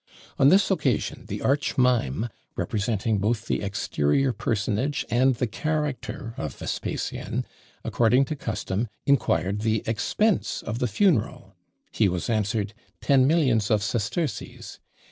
On this occasion the arch mime, representing both the exterior personage and the character of Vespasian, according to custom, inquired the expense of the funeral? He was answered, "ten millions of sesterces!"